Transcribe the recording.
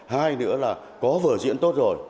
hai nữa là có vở diễn tốt rồi